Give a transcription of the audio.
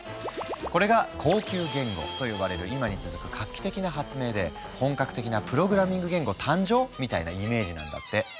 これが「高級言語」と呼ばれる今に続く画期的な発明で本格的なプログラミング言語誕生⁉みたいなイメージなんだって。